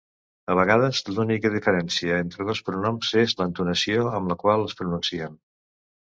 A vegades, l'única diferència entre dos pronoms és l'entonació amb la qual es pronuncien.